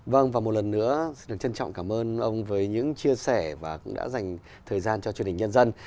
vâng và một lần nữa xin được trân trọng cảm ơn ông với những chia sẻ và cũng đã dành thời gian cho truyền hình nhân dân